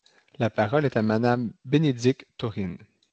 La parole est à Madame Bénédicte Taurine.